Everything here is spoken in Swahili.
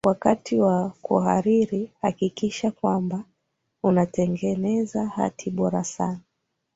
wakati wa kuhariri hakikisha kwanba unatengeza hati bora sana